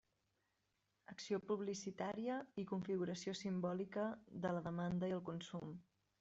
Acció publicitària i configuració simbòlica de la demanda i el consum.